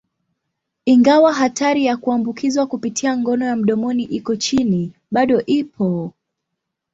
Ingawa hatari ya kuambukizwa kupitia ngono ya mdomoni iko chini, bado ipo.